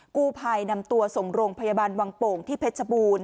กู้ภัยนำตัวส่งโรงพยาบาลวังโป่งที่เพชรบูรณ